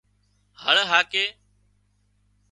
هۯ هاڪي